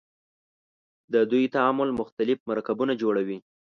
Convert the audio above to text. د دوی تعامل مختلف مرکبونه جوړوي.